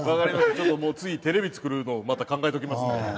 ちょっと次テレビ作るのをまた考えておきますね。